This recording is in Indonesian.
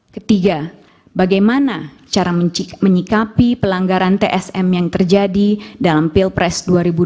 ketiga bagaimana cara menyikapi pelanggaran tsm yang terjadi dalam pilpres dua ribu dua puluh